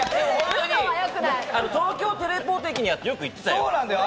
東京テレポート駅にあって、よく行ってたよ。